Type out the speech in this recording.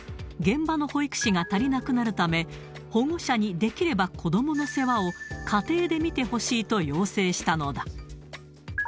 現場の保育士が足りなくなるため、保護者にできれば子どもの世話を家庭で見てほしいと要請したのだ。